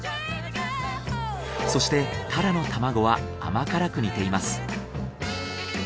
そしてタラの卵は甘辛く煮ています。